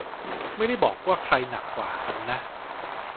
ไม่ได้บอกว่าใครหนักกว่ากันนะ